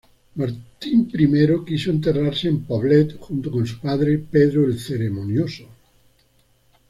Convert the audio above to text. Martín I quiso enterrarse en Poblet junto con su padre Pedro el Ceremonioso.